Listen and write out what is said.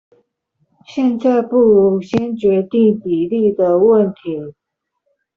現在不如先決定比例的問題